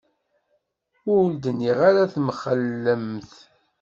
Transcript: Ur d-nniɣ ara temxellemt.